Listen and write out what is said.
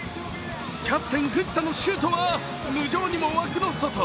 キャプテン・藤田のシュートは無情にも枠の外。